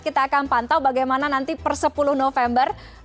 kita akan pantau bagaimana nanti per sepuluh november